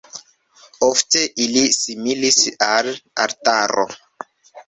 Ofte ili similis al altaro.